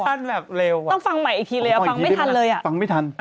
แบบเร็วอ่ะต้องฟังใหม่อีกทีเลยอ่ะฟังไม่ทันเลยอ่ะฟังไม่ทัน